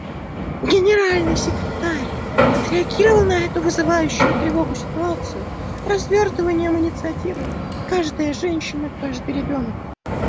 Генеральный секретарь отреагировал на эту вызывающую тревогу ситуацию развертыванием инициативы «Каждая женщина, каждый ребенок».